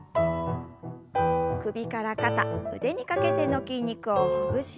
首から肩腕にかけての筋肉をほぐしながら軽く。